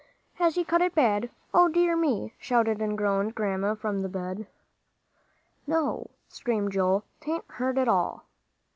"Has he cut it bad? O dear me!" shouted and groaned Grandma from the bed. "No," screamed Joel, "'tain't hurt at all."